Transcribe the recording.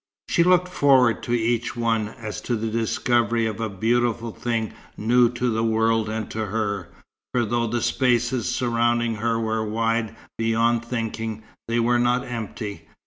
She looked forward to each one, as to the discovery of a beautiful thing new to the world and to her; for though the spaces surrounding her were wide beyond thinking, they were not empty.